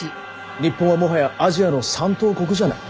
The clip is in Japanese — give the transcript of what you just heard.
日本はもはやアジアの三等国じゃあない。